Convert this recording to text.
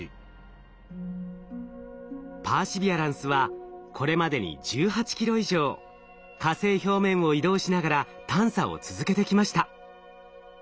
パーシビアランスはこれまでに１８ｋｍ以上火星表面を移動しながら探査を続けてきました。